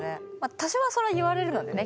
多少はそれは言われるのでね